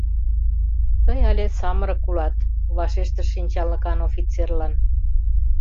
— Тый але самырык улат, — вашештыш шинчалыкан офицерлан.